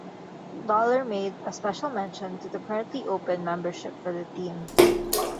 Dollar made a special mention to the currently open membership for the team.